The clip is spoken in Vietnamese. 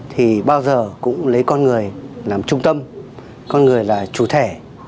thì bao giờ cũng lấy con người làm trung tâm con người là chủ thể